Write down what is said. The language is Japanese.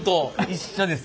一緒です。